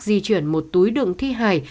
di chuyển một túi đựng thi hài